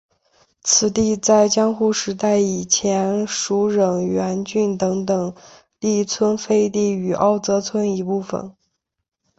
此地在江户时代以前属荏原郡等等力村飞地与奥泽村一部分。